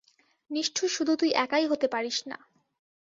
নিষ্ঠুর শুধু তুই একাই হতে পারিস না।